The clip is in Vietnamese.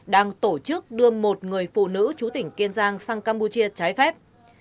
đang tổ chức đưa một người phụ nữ chú tỉnh kiên giang sang campuchia trái phép